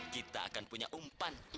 kita akan punya umpan